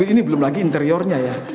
ini belum lagi interiornya ya